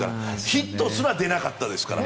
ヒットすら出なかったですから。